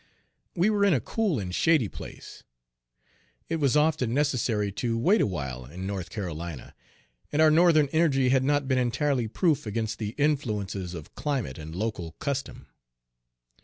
We were in a cool and shady place. It was often necessary to wait awhile in North Carolina; and our Northern energy had not been entirely proof against the influences of climate and local custom.